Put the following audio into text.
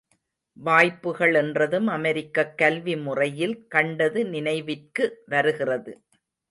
வாய்ப்புகள் என்றதும் அமெரிக்கக் கல்வி முறையில் கண்டது நினைவிற்கு வருகிறது.